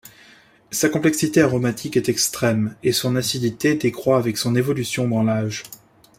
Sa complexité aromatique est extrême et son acidité décroit avec son évolution dans l'âge.